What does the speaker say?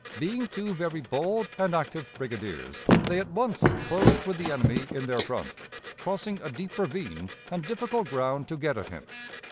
Being two very bold and active brigadiers, they at once closed with the enemy in their front, crossing a deep ravine and difficult ground to get at him.